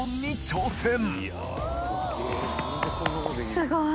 すごい。